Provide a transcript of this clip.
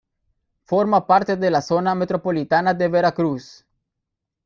Forma parte de la Zona Metropolitana de Veracruz.